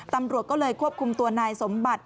ตำรวจก็เลยควบคุมตัวนายสมบัติ